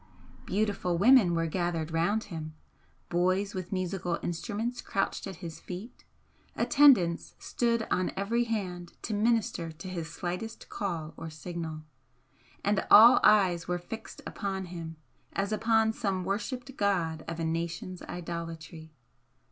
Beautiful women were gathered round him, boys with musical instruments crouched at his feet attendants stood on every hand to minister to his slightest call or signal, and all eyes were fixed upon him as upon some worshipped god of a nation's idolatry.